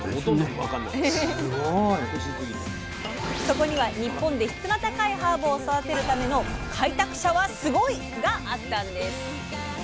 そこには日本で質の高いハーブを育てるための開拓者はスゴイ！があったんです。